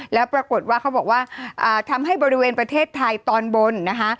แล้วปรากฏว่าเขาบอกว่าทำให้บริเวณประเทศไทยตอนบนนะคะ